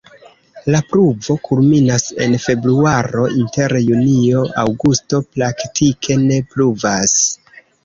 La pluvo kulminas en februaro, inter junio-aŭgusto praktike ne pluvas.